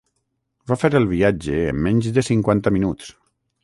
Va fer el viatge en menys de cinquanta minuts.